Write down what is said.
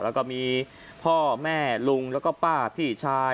แล้วก็มีพ่อแม่ลุงแล้วก็ป้าพี่ชาย